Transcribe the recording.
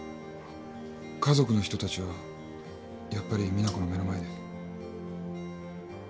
家族の人たちはやっぱり実那子の目の前で？